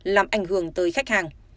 làm ảnh hưởng tới khách hàng